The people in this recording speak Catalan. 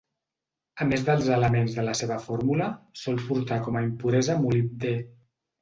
A més dels elements de la seva fórmula, sol portar com a impuresa molibdè.